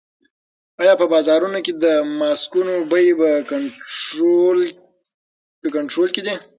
آیا په بازارونو کې د ماسکونو بیې په کنټرول کې دي؟